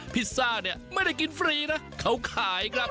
พิซซ่าเนี่ยไม่ได้กินฟรีนะเขาขายครับ